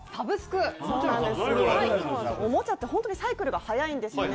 おもちゃって、本当にサイクルが速いんですよね。